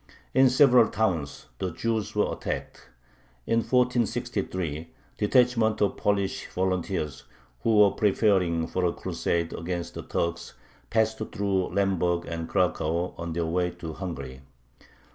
In several towns the Jews were attacked. In 1463 detachments of Polish volunteers who were preparing for a crusade against the Turks passed through Lemberg and Cracow on their way to Hungary.